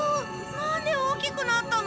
なんで大きくなったの？